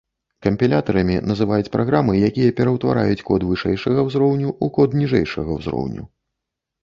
Кампілятарамі называюць праграмы, якія пераўтвараюць код вышэйшага ўзроўню ў код ніжэйшага ўзроўню.